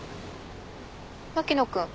牧野君。